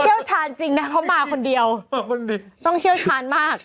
เชี่ยวชาญจริงนะเพราะมาคนเดียวต้องเชี่ยวชาญมาก